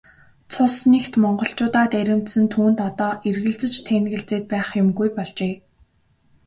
Цус нэгт монголчуудаа дээрэмдсэн түүнд одоо эргэлзэж тээнэгэлзээд байх юмгүй болжээ.